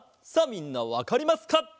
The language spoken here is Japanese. さあみんなわかりますか？